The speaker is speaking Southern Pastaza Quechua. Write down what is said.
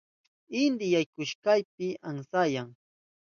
Inti yaykuhushpan amsayan.